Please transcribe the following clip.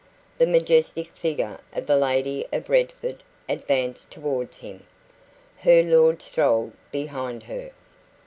The majestic figure of the lady of Redford advanced towards him. Her lord strolled behind her.